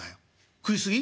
「食い過ぎ？」。